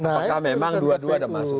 apakah memang dua dua ada masukan